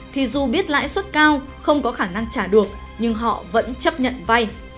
thì dù biết lãi suất cao không có khả năng trả được nhưng họ vẫn chấp nhận vay